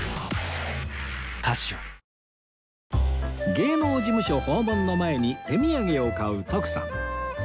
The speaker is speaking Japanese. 芸能事務所訪問の前に手土産を買う徳さん